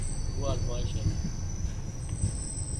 وہ ازماش ہے